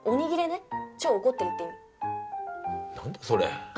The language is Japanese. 何だそれ。